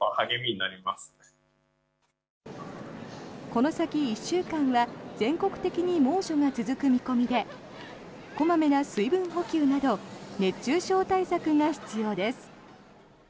この先１週間は全国的に猛暑が続く見込みで小まめな水分補給など熱中症対策が必要です。